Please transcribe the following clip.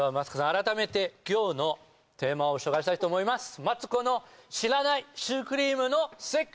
改めて今日のテーマを紹介したいと思います